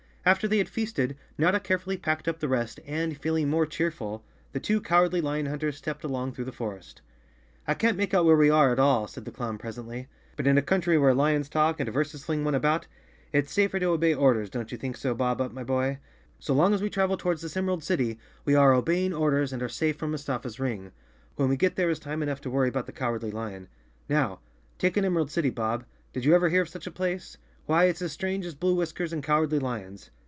After they had feasted, Notta carefully packed up the rest and, feeling more cheerful, the two cowardly lion hunters stepped along through the forest. "I can't make out where we are, at all," said the 61 The Cowardly Lion of Oz _ clown presently, "but in a country where lions talk, and verses fling one about, it's safer to obey orders, don't you think so, Bob Up, my boy? So long as we travel towards this Emerald City we are obeying or¬ ders and are safe from Mustafa's ring. When we get there is time enough to worry about the Cowardly Lion. Now take an Emerald City, Bob; did you ever hear of such a place ? Why, it's as strange as blue whiskers and cowardly lions.